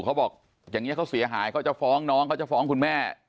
เขาบอกอย่างนี้เขาเสียหายเขาจะฟ้องน้องเขาจะฟ้องคุณแม่